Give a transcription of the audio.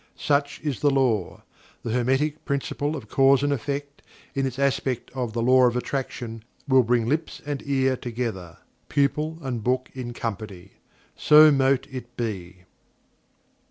Such is The Law. The Hermetic Principle of Cause and Effect, in its aspect of The Law of Attraction, will bring lips and ear together pupil and book in company. So mote it be!